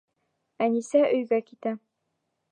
Әнисә өйгә китә.